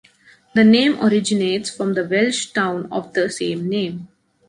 The name originates from the Welsh town of the same name.